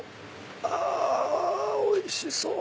あおいしそう！